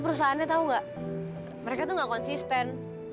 perusahaan yang aneh itu tidak konsisten